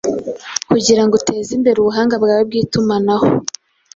kugirango utezimbere ubuhanga bwawe bwitumanaho